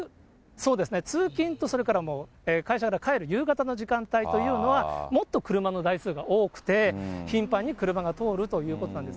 そうですね、通勤と会社から帰る夕方の時間帯というのは、もっと車の台数が多くて、頻繁に車が通るということです。